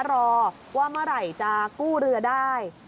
รอว่าเมื่อไหร่จะกู้เรือได้